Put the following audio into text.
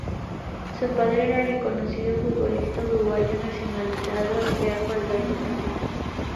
Su padre era el reconocido futbolista uruguayo nacionalizado austríaco Alberto Martínez.